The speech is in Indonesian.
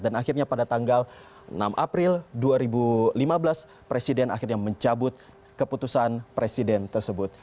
dan akhirnya pada tanggal enam april dua ribu lima belas presiden akhirnya mencabut keputusan presiden tersebut